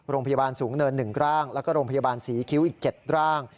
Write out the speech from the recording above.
โรงพยาบาลสูงเนิน๑ร่างแล้วก็โรงพยาบาลศรีคิ้วอีก๗ร่าง